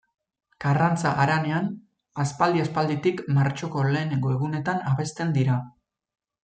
Karrantza Haranean, aspaldi-aspalditik martxoko lehenengo egunean abesten dira.